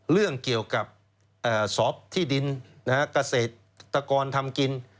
เรื่องเกี่ยวกับสอบที่ดินเกษตรกรทำกิน